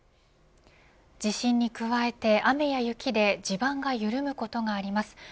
地震に加えて雨や雪で地盤が緩むことがあります